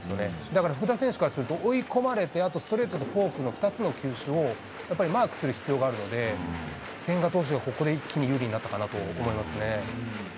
だから福田選手からすると、追い込まれて、あとストレートとフォークの２つの球種をやっぱりマークする必要があるので、千賀投手がここで一気に有利になったかなと思いますね。